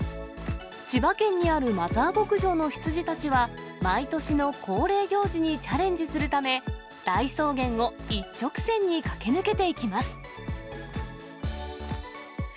千葉県にあるマザー牧場の羊たちは、毎年の恒例行事にチャレンジするため、大草原を一直線に駆け抜けていきます。